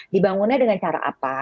dibangunnya dengan cara apa